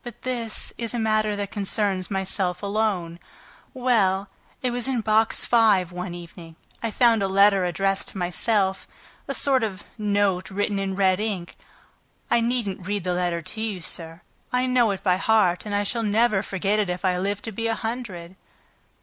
"But this is a matter that concerns myself alone ... Well, it was in Box Five one evening, I found a letter addressed to myself, a sort of note written in red ink. I needn't read the letter to you sir; I know it by heart, and I shall never forget it if I live to be a hundred!"